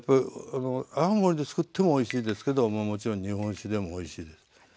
泡盛でつくってもおいしいですけどももちろん日本酒でもおいしいです。